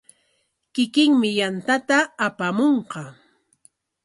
Kikinmi yantata apamunqa.